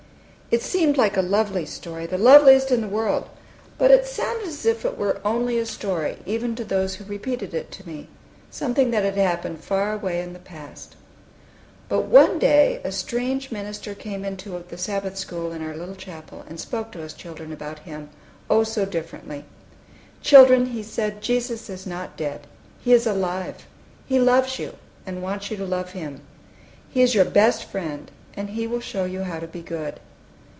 It seemed like a lovely story, the loveliest in the world, but it sounded as if it were only a story, even to those who repeated it to me; something that had happened far away in the past. But one day a strange minister came into the Sabbath school in our little chapel, and spoke to us children about Him, oh! so differently! "Children," he said, "Jesus is not dead. He is alive: He loves you, and wants you to love Him! He is your best Friend, and He will show you how to be good."